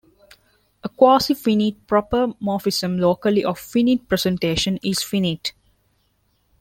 A quasi-finite proper morphism locally of finite presentation is finite.